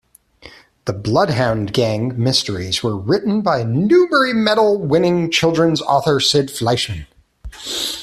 The "Bloodhound Gang" mysteries were written by Newbery Medal-winning children's author Sid Fleischman.